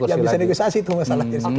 yang bisa negosiasi itu masalahnya